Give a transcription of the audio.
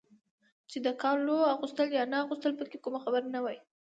چې د کالو اغوستل یا نه اغوستل پکې کومه خبره نه وای.